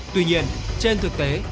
tuy nhiên trên thực tế